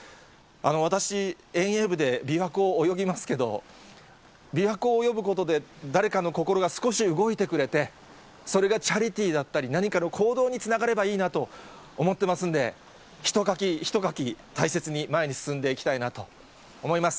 私、遠泳部でびわ湖を泳ぎますけど、びわ湖を泳ぐことで誰かの心が少し動いてくれて、それがチャリティーだったり、何かの行動につながればいいなと思ってますんで、一かき一かき、大切に前に進んでいきたいなと思います。